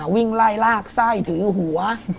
วิ่งไล่ลากไส้ถือหัว